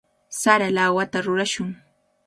Sara lawata rurashun.